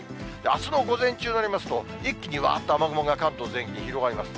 あすの午前中になりますと、一気にわーっと雨雲が関東全域に広がります。